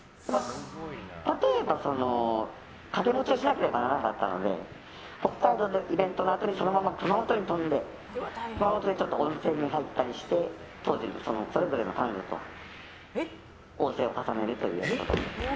例えば、掛け持ちをしなければならなかったので北海道でイベントのあとにそのあと熊本に飛んで熊本でちょっと温泉に入ったりして当時、それぞれの彼女と逢瀬を重ねるという。